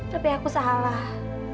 tapi aku salah